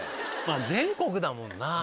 全国だもんな。